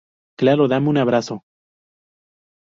Claro. Dame un abrazo.